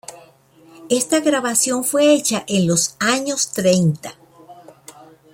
Esta grabación fue hecha en los años treinta.